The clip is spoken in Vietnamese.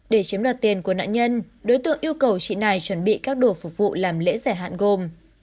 để chiếm đoạt tiền của nạn nhân đối tượng yêu cầu chị này chuẩn bị các đồ phục vụ làm lễ giải hạn gồm